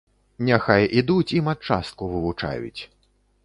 Няхай ідуць і матчастку вывучаюць.